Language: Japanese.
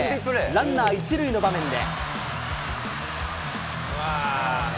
ランナー１塁の場面で。